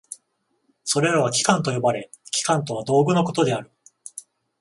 それらは器官と呼ばれ、器官とは道具のことである。